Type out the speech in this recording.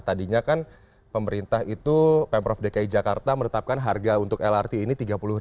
tadinya kan pemerintah itu pemprov dki jakarta menetapkan harga untuk lrt ini rp tiga puluh